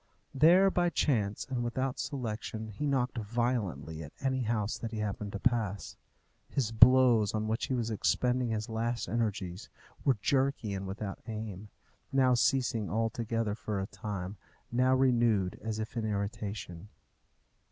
There, by chance and without selection, he knocked violently at any house that he happened to pass. His blows, on which he was expending his last energies, were jerky and without aim; now ceasing altogether for a time, now renewed as if in irritation.